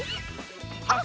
あっ！